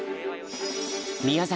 宮崎